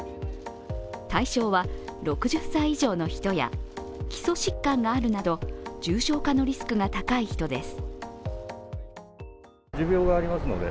対象は６０歳以上の人や基礎疾患があるなど重症化のリスクが高い人です。